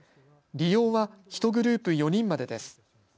利用は１グループ４人までです。